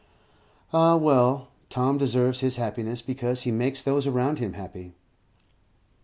Ah, well, Tom deserves his happiness, because he makes those around him happy.